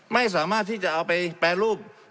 ไม่สามารถที่จะเอาไปแปรรูปในการแปรรูปครับ